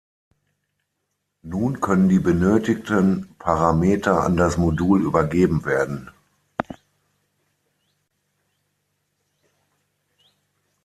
Nun können die benötigten Parameter an das Modul übergeben werden.